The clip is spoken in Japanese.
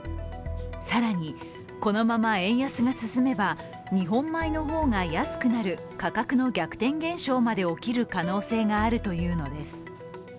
更に、このまま円安が進めば日本米の方が安くなる価格の逆転現象まで起きる可能性があるというのです。